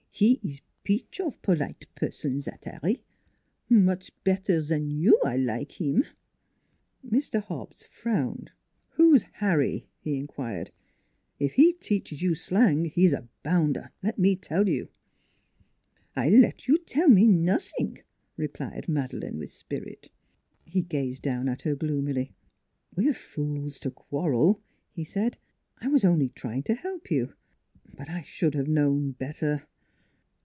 He is peach of polite person zat Har ri; much bettaire zan you I like heem." Mr. Hobbs frowned. 220 NEIGHBORS "Who is Harry?" he inquired. "If he teaches you slang he is a bounder, let me tell you." " I let you tell me nossing," replied Madeleine with spirit. He gazed down at her gloomily. " We're fools to quarrel," he said. " I was only trying to help you ; but I should have known better."